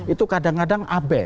itu kadang kadang abe